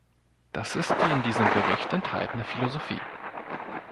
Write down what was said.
Das ist die in diesem Bericht enthaltene Philosophie.